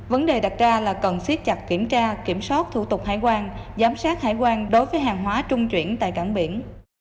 vấn đề đặt ra là cần siết chặt kiểm tra kiểm soát thủ tục hải quan giám sát hải quan đối với hàng hóa trung chuyển tại cảng biển